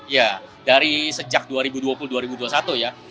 ya dari sejak dua ribu dua puluh dua ribu dua puluh satu ya